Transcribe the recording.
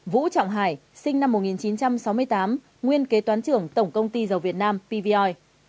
vũ trọng hải sinh năm một nghìn chín trăm sáu mươi tám nguyên kế toán trưởng tổng công ty dầu việt nam pvoi